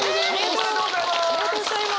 おめでとうございます。